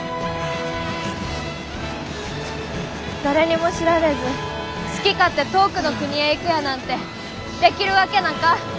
誰にも知られず好き勝手遠くの国へ行くやなんてできるわけなか。